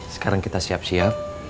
sekarang kita siap siap